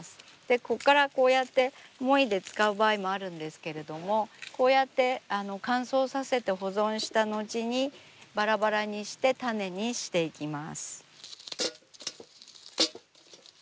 ここからこうやってもいで使う場合もあるんですけれどもこうやって乾燥させて保存した後にばらばらにして種にしていきます。